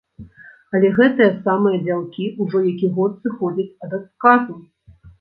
Але гэтыя самыя дзялкі ўжо які год сыходзяць ад адказу!